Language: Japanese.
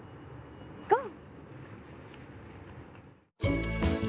ゴー！